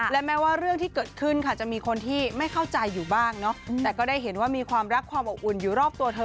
และแม้ว่าเรื่องที่เกิดขึ้นค่ะจะมีคนที่ไม่เข้าใจอยู่บ้างเนาะแต่ก็ได้เห็นว่ามีความรักความอบอุ่นอยู่รอบตัวเธอ